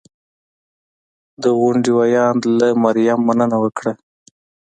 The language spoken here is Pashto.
د غونډې ویاند له مریم مننه وکړه